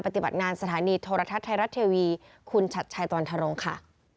ปฏิบัติงานสถานีโทรทัศน์ไทยรัฐทีวีคุณชัดชัยตะวันธรงค์ค่ะ